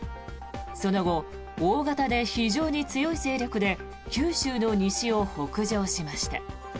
その後、大型で非常に強い勢力で九州の西を北上しました。